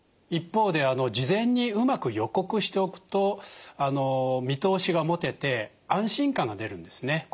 一方で事前にうまく予告しておくと見通しが持てて安心感が出るんですね。